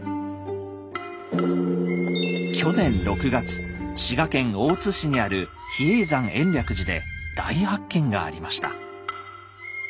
去年６月滋賀県大津市にある比叡山延暦寺で大発見がありました。